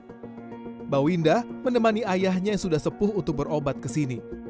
mbak winda menemani ayahnya yang sudah sepuh untuk berobat ke sini